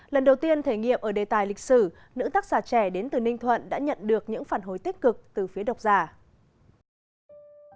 lần đầu tiên thể nghiệm ở đề tài lịch sử nữ tác giả trẻ đến từ ninh thuận đã nhận được những phản hồi tích cực từ phía độc giả